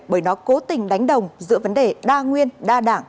bởi nó cố tình đánh đồng giữa vấn đề đa nguyên đa đảng